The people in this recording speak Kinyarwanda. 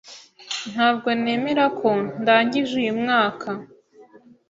Ntabwo nemera ko ndangije uyu mwaka.